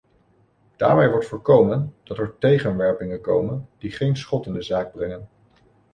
Daarmee wordt voorkomen dat er tegenwerpingen komen die geen schot in de zaak brengen.